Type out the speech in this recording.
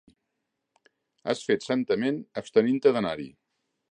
Has fet santament abstenint-te d'anar-hi.